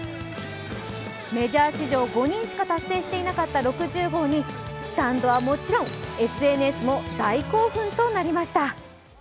メジャー史上５人しか達成していなかった６０号にスタンドはもちろんＳＮＳも大興奮となりました。